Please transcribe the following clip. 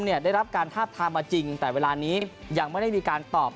เนี่ยได้รับการทาบทามมาจริงแต่เวลานี้ยังไม่ได้มีการตอบ